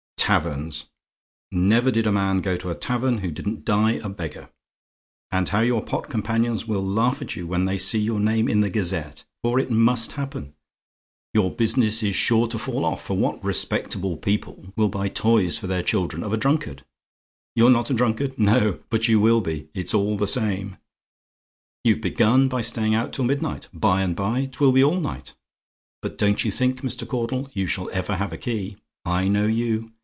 "Taverns! Never did a man go to a tavern who didn't die a beggar. And how your pot companions will laugh at you when they see your name in the Gazette! For it MUST happen. Your business is sure to fall off; for what respectable people will buy toys for their children of a drunkard? You're not a drunkard! No: but you will be it's all the same. "You've begun by staying out till midnight. By and by 'twill be all night. But don't you think, Mr. Caudle, you shall ever have a key. I know you.